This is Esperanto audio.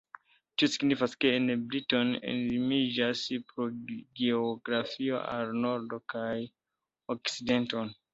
Tio signifas ke en Britio ili limiĝas pro geografio al nordo kaj okcidento.